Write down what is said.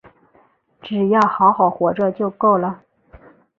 只要好好活着就够了